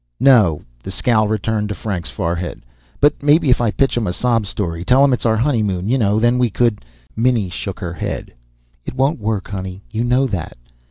"No." The scowl returned to Frank's forehead. "But maybe if I pitch 'em a sob story, tell 'em it's our honeymoon, you know, then we could " Minnie shook her head. "It won't work, honey. You know that.